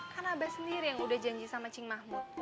kan abah sendiri yang udah janji sama cing mahmud